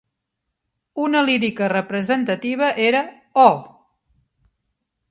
Una lírica representativa era Ho!